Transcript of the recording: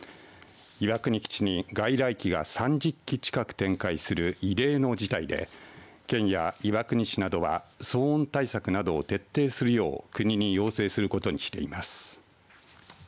岩国基地に外来機が３０機近く展開する異例の事態で、県や岩国市などは騒音対策などを徹底するよう国に要請することにしています。